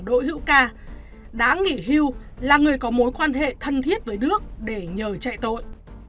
đỗ hữu ca đã nghỉ hưu là người có mối quan hệ thân thiết với đức để nhờ chạy tội